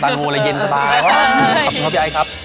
ตางูแล้วเย็นสบายขอบคุณครับพี่ไอ้ครับ